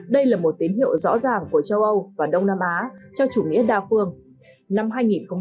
đây là một tín hiệu rõ ràng của châu âu và đông nam á cho chủ nghĩa đa phương